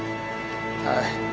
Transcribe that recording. はい。